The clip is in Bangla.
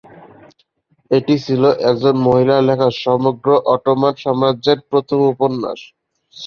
এটি ছিল একজন মহিলার লেখা সমগ্র অটোমান সাম্রাজ্যের প্রথম উপন্যাস।